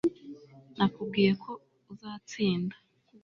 nakubwiye ko uzatsinda